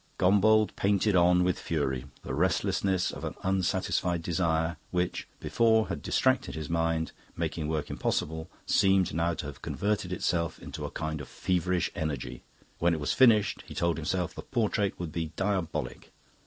Gombauld painted on with fury. The restlessness of an unsatisfied desire, which, before, had distracted his mind, making work impossible, seemed now to have converted itself into a kind of feverish energy. When it was finished, he told himself, the portrait would be diabolic.